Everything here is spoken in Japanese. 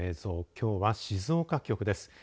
きょうは静岡局です。